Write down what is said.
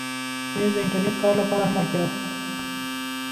مېز د انټرنېټ کار لپاره هم اړتیا ده.